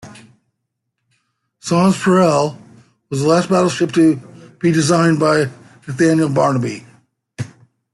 "Sans Pareil" was the last battleship to be designed by Nathaniel Barnaby.